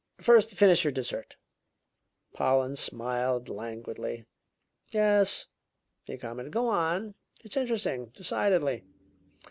First finish your dessert." Pollen smiled languidly. "Yes," he commented, "go on. It's interesting, decidedly.